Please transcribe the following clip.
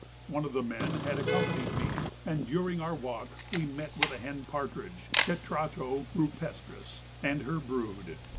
One of the men had accompanied me, and during our walk we met with a hen partridge (tetrao rupestris) and her brood.